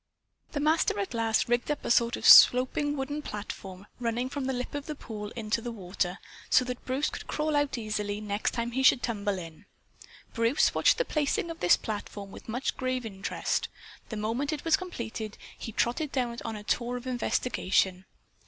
The Master at last rigged up a sort of sloping wooden platform, running from the lip of the pool into the water, so that Bruce could crawl out easily, next time he should tumble in. Bruce watched the placing of this platform with much grave interest. The moment it was completed, he trotted down it on a tour of investigation.